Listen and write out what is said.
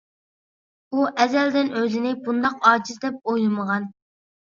ئۇ ئەزەلدىن ئۆزىنى بۇنداق ئاجىز دەپ ئويلىمىغان.